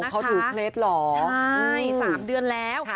สามเดือนแล้ว